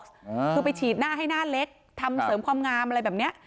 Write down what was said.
คือไปฉีดหน้าให้หน้าเล็กทำเสริมความงามอะไรแบบเนี้ย